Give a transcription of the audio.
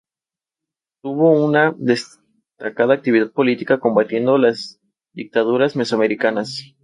El zodiaco chino de doce signos representa doce diferentes tipos de personalidad.